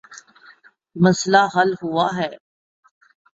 مسئلہ حل ہوا ہے۔